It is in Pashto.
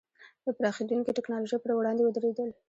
د پراخېدونکې ټکنالوژۍ پر وړاندې ودرېدل.